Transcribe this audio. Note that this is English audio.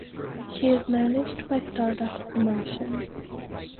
She is managed by Stardust Promotion.